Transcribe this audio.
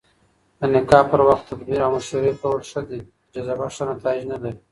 د نکاح پر وخت تدبير او مشورې کول ښه دي، جذبه ښه نتايج نلري